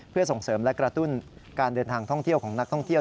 เพื่อส่งเสริมและกระตุ้นการเดินทางท่องเที่ยวของนักท่องเที่ยว